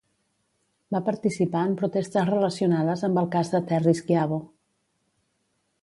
Va participar en protestes relacionades amb el cas de Terri Schiavo.